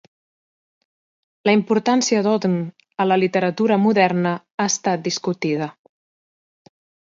La importància d'Auden a la literatura moderna ha estat discutida.